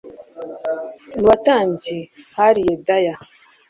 Mu batambyi hari Yedaya